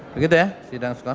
begitu ya sidang skor